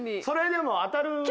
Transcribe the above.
それでも当たる。